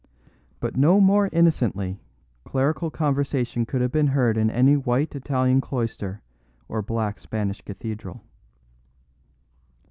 But no more innocently clerical conversation could have been heard in any white Italian cloister or black Spanish cathedral.